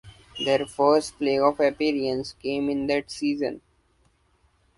Their first playoff appearance came in that season.